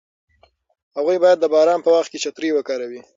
هغوی باید د باران په وخت کې چترۍ وکاروي.